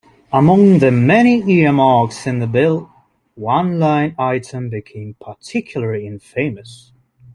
Among the many earmarks in the bill, one line item became particularly infamous.